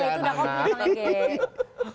nggak itu sudah komplit bang ege